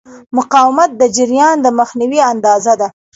مقاومت د جریان د مخنیوي اندازه ده.